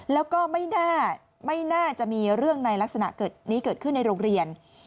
แล้วก็ไม่น่าจะมีเรื่องในลักษณะเกิดนี้เกิดขึ้นในโรงเรียน